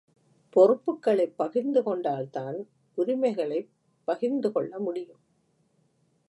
பொறுப்புக்களைப் பகிர்ந்து கொண்டால் தான் உரிமைகளைப் பகிர்ந்து கொள்ள முடியும்.